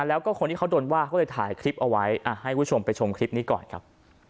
แล้วก็คนที่เขาโดนว่าเขาเลยถ่ายคลิปเอาไว้ให้คุณผู้ชมไปชมคลิปนี้ก่อนครับ